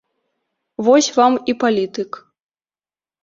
Вось вам і палітык.